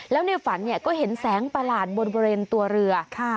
แล้วในฝันก็เห็นแสงประหลาดบนบริเวณตัวเรือ